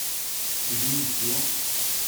Zoom sur…